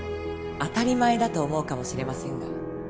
当たり前だと思うかもしれませんが